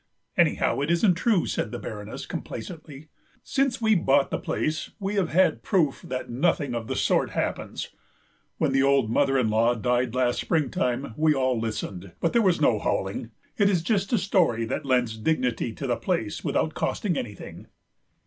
"Anyhow, it isn't true," said the Baroness complacently; "since we bought the place we have had proof that nothing of the sort happens. When the old mother in law died last springtime we all listened, but there was no howling. It is just a story that lends dignity to the place without costing anything."